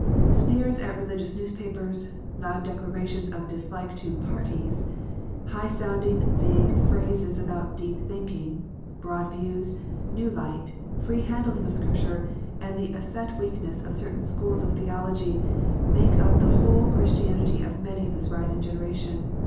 Sneers at religious newspapers, loud declarations of dislike to "parties," high sounding, vague phrases about " deep thinking," broad views, new light, free handling of Scripture, and the effete weakness of certain schools of theology, make up the whole Christianity of many of the rising generation.